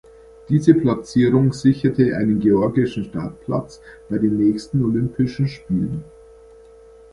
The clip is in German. Diese Platzierung sicherte einen georgischen Startplatz bei den nächsten Olympischen Spielen.